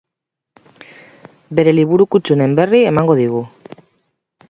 Bere liburu kuttunen berri emango digu.